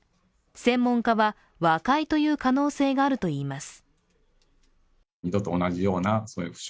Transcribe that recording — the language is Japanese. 専門家は、和解という可能性もあるといいます。